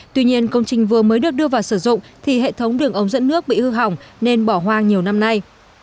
tuy nhiên công trình vừa mới được đưa vào sử dụng thì hệ thống đường ống dẫn nước bị hư hỏng nên bỏ hoang nhiều năm nay